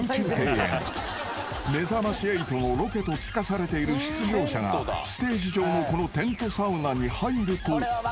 ［『めざまし８』のロケと聞かされている出場者がステージ上のこのテントサウナに入ると］